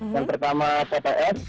yang pertama pps